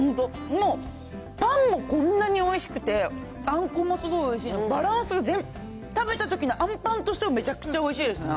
もうパンもこんなにおいしくて、あんこもすごいおいしいので、バランスが全部、食べたときのあんパンとしてもめちゃくちゃおいしいですね。